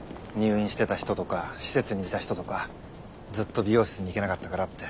入院してた人とか施設にいた人とかずっと美容室に行けなかったからって。